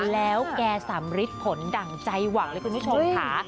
แล้วแกสำริดผลดั่งใจหวังเลยคุณผู้ชมค่ะ